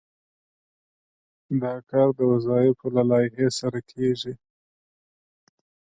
دا کار د وظایفو له لایحې سره کیږي.